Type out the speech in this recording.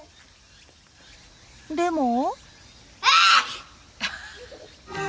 でも。